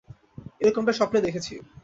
এরকমটা স্বপ্নে দেখেছি।